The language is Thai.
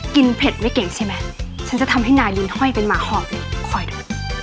เผ็ดไม่เก่งใช่ไหมฉันจะทำให้นายบุญห้อยเป็นหมาหอบเลยคอยดู